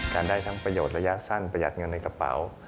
การได้ทั้งประโยชน์ระยะสั้นประหยัดเงินในกระเป๋า